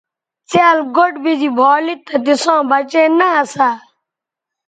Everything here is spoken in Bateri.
څھیال گوٹھ بے زی بھا لید تہ تِساں بچے نہ اسا۔